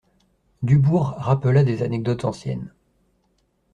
Dubourg rappela des anecdotes anciennes.